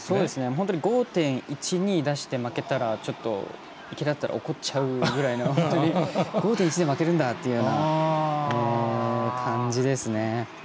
本当に５．１２出して負けたら、僕だったら怒っちゃうぐらいの５．１で負けるんだって思っちゃう感じですね。